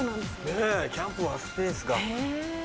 ねぇキャンプはスペースが。